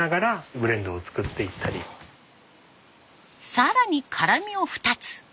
更に辛みを２つ。